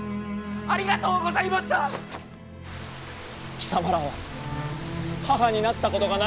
貴様らは母になったことがないのか？